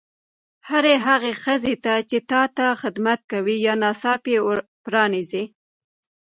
هرې هغې ښځې ته چې تا ته خدمت کوي یا ناڅاپي ور پرانیزي.